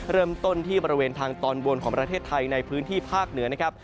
เริ่มต้นที่บริเวณทางตอนบนของประเทศไทยในพื้นที่ภาคเหนือนะครับ